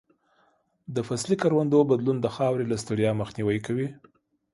د فصلي کروندو بدلون د خاورې له ستړیا مخنیوی کوي.